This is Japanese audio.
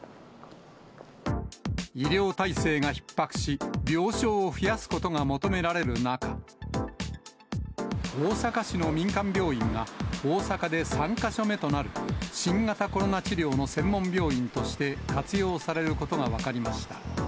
医療体制がひっ迫し、病床を増やすことが求められる中、大阪市の民間病院が、大阪で３か所目となる新型コロナ治療の専門病院として活用されることが分かりました。